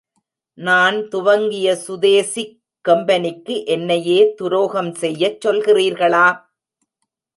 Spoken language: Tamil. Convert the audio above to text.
நான் துவங்கிய சுதேசிக் கம்பெனிக்கு என்னையே துரோகம் செய்யச் சொல்கிறீர்களா?